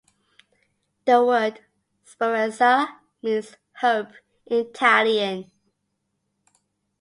The word "speranza" means "hope" in Italian.